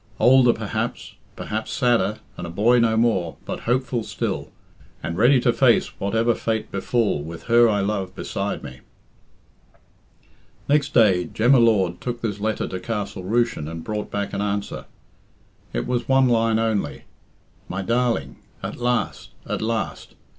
Older, perhaps, perhaps sadder, and a boy no more, but hopeful still, and ready to face whatever fate befall, with her I love beside me." Next day Jem y Lord took this letter to Castle Rushen and brought back an answer. It was one line only "My darling! At last! At last!